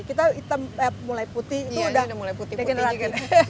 kita mulai putih itu sudah degeneratif